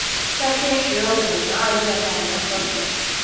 在建始五年二月改元河平。